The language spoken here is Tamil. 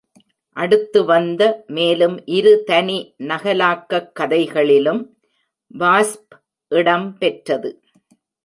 அடுத்து வந்த மேலும் இரு தனி நகலாக்கக் கதைகளிலும் வாஸ்ப் இடம்பெற்றது.